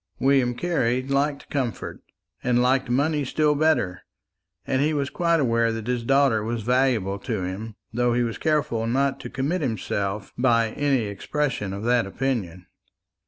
William Carley liked comfort, and liked money still better, and he was quite aware that his daughter was valuable to him, though he was careful not to commit himself by any expression of that opinion.